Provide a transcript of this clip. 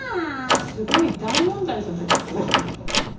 すごい大問題じゃないですか。